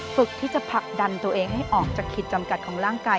ฝึกที่จะผลักดันตัวเองให้ออกจากขีดจำกัดของร่างกาย